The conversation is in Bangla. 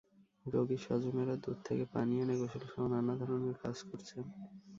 রোগীর স্বজনেরা দূর থেকে পানি এনে গোসলসহ নানা ধরনের কাজ করছেন।